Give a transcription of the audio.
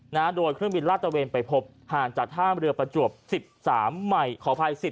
นะฮะโดยเครื่องบินลาตเตอร์เวนไปพบห่างจากท่ามเรือประจวบสิบสามไมค์